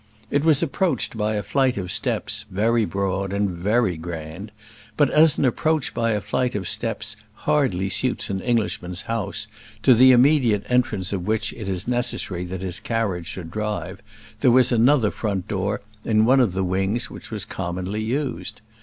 It was approached by a flight of steps, very broad and very grand; but, as an approach by a flight of steps hardly suits an Englishman's house, to the immediate entrance of which it is necessary that his carriage should drive, there was another front door in one of the wings which was commonly used.